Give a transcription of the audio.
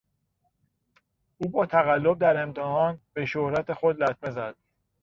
او با تقلب در امتحان به شهرت خود لطمه زد.